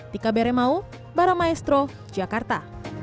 tika bere mau para maestro jakarta